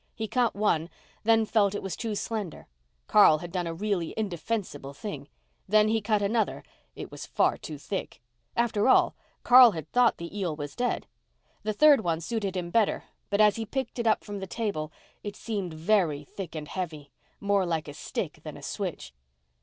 He cut one, then felt it was too slender. Carl had done a really indefensible thing. Then he cut another—it was far too thick. After all, Carl had thought the eel was dead. The third one suited him better; but as he picked it up from the table it seemed very thick and heavy—more like a stick than a switch.